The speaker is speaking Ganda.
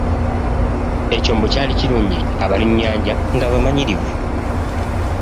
Ekyombo kyali kirungi, abalunnyanja nga bamanyirivu.